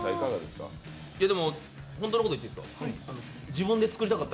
でも、本当のこと言っていいですか？